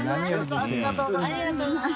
ありがとうございます。